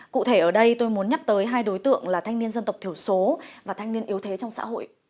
cụ thể ở đây tôi muốn nhắc tới hai đối tượng là thanh niên dân tộc thiểu số và thanh niên yếu thế trong xã hội